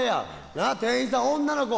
なあ店員さん女の子。